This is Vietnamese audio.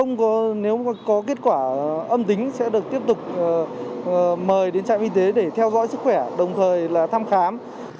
nếu có kết quả âm tính sẽ được tiếp tục mời đến trạm y tế để theo dõi sức khỏe đồng thời là thăm khám